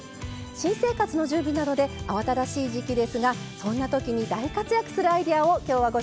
新生活の準備などで慌ただしい時期ですがそんな時に大活躍するアイデアを今日はご紹介します。